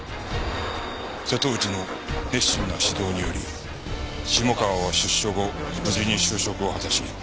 瀬戸内の熱心な指導により下川は出所後無事に就職を果たし